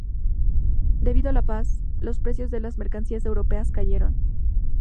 Debido a la paz, los precios de las mercancías europeas cayeron.